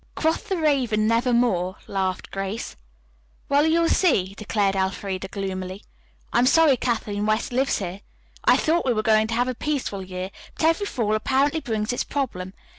"'Quoth the raven, "nevermore",'" laughed Grace. "Well, you'll see," declared Elfreda gloomily. "I'm sorry Kathleen West lives here. I thought we were going to have a peaceful year. But every fall apparently brings its problem.